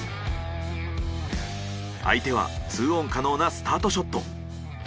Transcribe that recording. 相手は２オン可能なスタートショット。